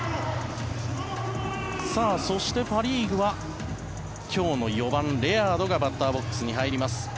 そして、パ・リーグは今日の４番、レアードがバッターボックスに入ります。